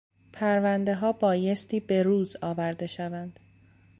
پروندهها بایستی به روز آورده شوند.